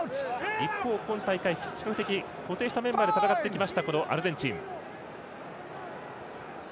一方、今大会、比較的固定したメンバーで戦ってきたアルゼンチン。